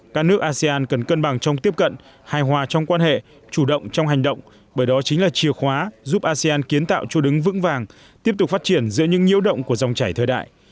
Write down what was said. các nước asean cần cân bằng trong tiếp cận hài hòa trong quan hệ chủ động trong hành động bởi đó chính là chìa khóa giúp asean kiến tạo chỗ đứng vững vàng tiếp tục phát triển giữa những nhiễu động của dòng chảy thời đại